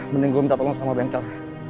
mending gue minta tolong sama bengkel